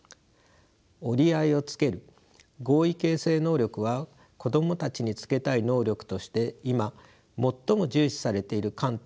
折り合いをつける合意形成能力は子供たちにつけたい能力として今最も重視されている観点の一つです。